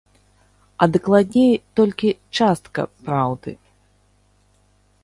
А дакладней, толькі частка праўды.